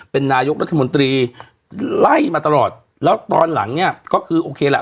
เป็นนายกรัฐมนตรีไล่มาตลอดแล้วตอนหลังเนี่ยก็คือโอเคแหละ